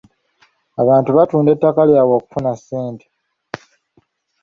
Abantu batunda ettaka lyabwe okufuna ssente.